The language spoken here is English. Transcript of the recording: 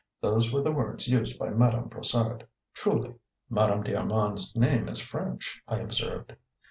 Those were the words used by Madame Brossard. Truly." "Madame d'Armand's name is French," I observed.